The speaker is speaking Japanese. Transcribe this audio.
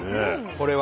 これは。